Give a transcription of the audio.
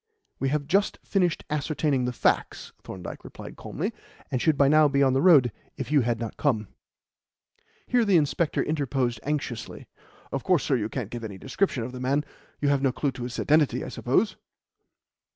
"We have just finished ascertaining the facts," Thorndyke replied calmly, "and should by now be on the road if you had not come." Here the inspector interposed anxiously. "Of course, sir, you can't give any description of the man. You have no clue to his identity, I suppose?"